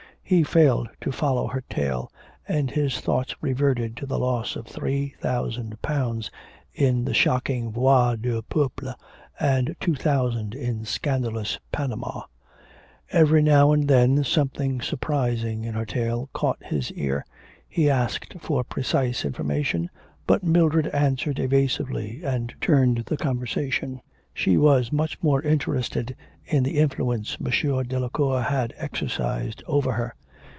He failed to follow her tale, and his thoughts reverted to the loss of three thousand pounds in the shocking Voix du Peuple and two thousand in scandalous Panama. Every now and then something surprising in her tale caught his ear, he asked for precise information, but Mildred answered evasively and turned the conversation. She was much more interested in the influence M. Delacour had exercised over her.